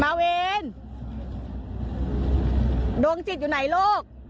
มาเวรดวงจิตอยู่ไหนลูก